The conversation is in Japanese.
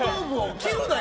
切るなよ！